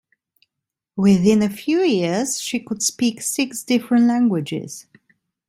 Within a few years she could speak six different languages.